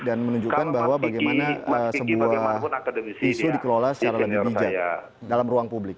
menunjukkan bahwa bagaimana sebuah isu dikelola secara lebih bijak dalam ruang publik